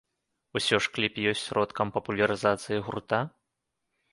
Усё ж кліп ёсць сродкам папулярызацыі гурта?